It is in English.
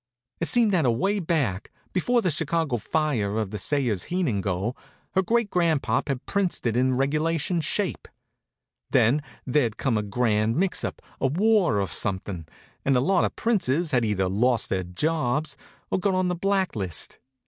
It seemed that away back, before the Chicago fire or the Sayers Heenan go, her great grandpop had princed it in regulation shape. Then there'd come a grand mix up, a war or something, and a lot of princes had either lost their jobs or got on the blacklist.